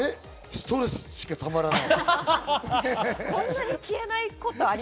ストレスしかたまらない。